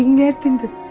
ini diingetin tuh